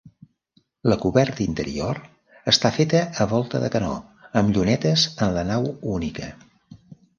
La coberta interior està feta a volta de canó, amb llunetes en la nau única.